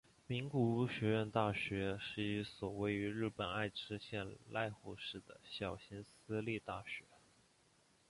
名古屋学院大学是一所位于日本爱知县濑户市的小型私立大学。